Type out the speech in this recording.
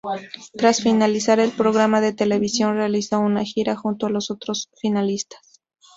Tras finalizar el programa de televisión realizó una gira junto a los otros finalistas.